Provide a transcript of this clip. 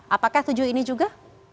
apakah tujuh ini juga